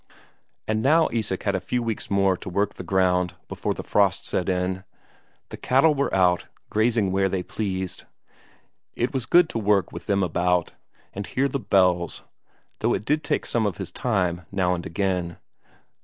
And now Isak had a few weeks more to work the ground before the frost set in. The cattle were out, grazing where they pleased; it was good to work with them about, and hear the bells, though it did take some of his time now and again.